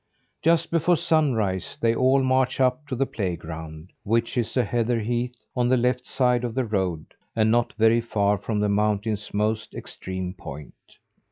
Just before sunrise they all march up to the playground, which is a heather heath on the left side of the road, and not very far from the mountain's most extreme point.